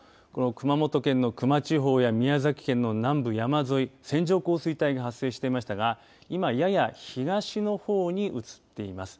動かしますと熊本県の球磨地方や宮崎県の南部山沿い線状降水帯が発生していましたが今やや東のほうに移っています。